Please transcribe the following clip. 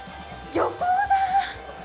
漁港だ！